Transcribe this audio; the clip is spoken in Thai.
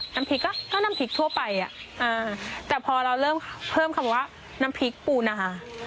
น้ำพริกก็เท่าน้ำพริกทั่วไปอ่ะอ่าแต่พอเราเริ่มเพิ่มคำว่าน้ำพริกปูนา